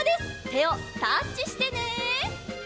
てをタッチしてね！